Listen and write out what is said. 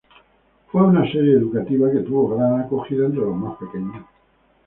Fue una serie educativa que tuvo una gran acogida entre los más pequeños.